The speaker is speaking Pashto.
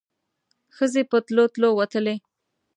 ښځې په تلو تلو وتلې.